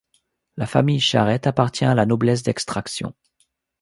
La famille Charette appartient à la noblesse d'extraction.